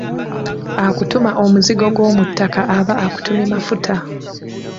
Akutuma omuzigo gw’omuttaka, aba akutumye Mafuta.